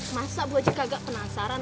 masa bu aji kagak penasaran